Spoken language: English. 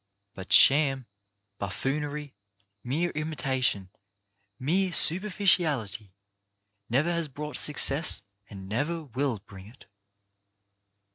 But sham, buffoonery, mere imitation, mere super ficiality, never has brought success and never will bring it.